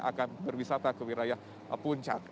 akan berwisata ke wilayah puncak